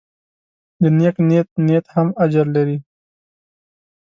د نیک نیت نیت هم اجر لري.